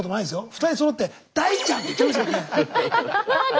２人そろって「大ちゃん」って言っちゃいましたよね。